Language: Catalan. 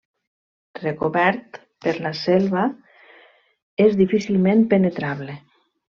Recobert per la selva, és difícilment penetrable.